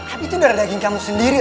abie tuh darah daging kamu sendiri eva